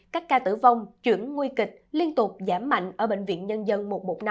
các ca tử vong chuyển nguy kịch liên tục giảm mạnh ở bệnh viện nhân dân một một năm